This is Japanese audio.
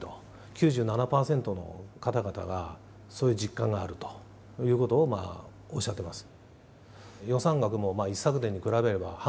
９７％の方々がそういう実感があるとおっしゃっています。